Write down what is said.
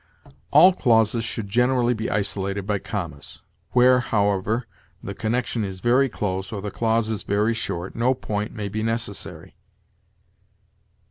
All clauses should generally be isolated by commas; where, however, the connection is very close or the clause is very short, no point may be necessary.